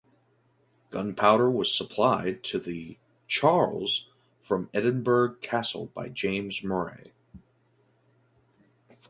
Gunpowder was supplied to the "Charles" from Edinburgh Castle by James Murray.